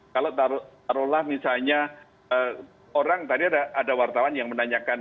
kalau taruhlah misalnya orang tadi ada wartawan yang menanyakan